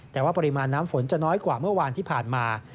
แต่ว่าปริมาณน้ำฝนจะน้อยกว่าเมื่อวานที่ผ่านมา